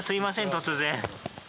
突然。